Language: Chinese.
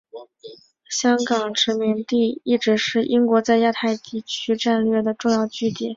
香港殖民地一直是英国在亚太区战略的重要据点。